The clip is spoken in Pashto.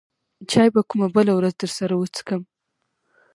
چاى به کومه بله ورځ درسره وڅکم.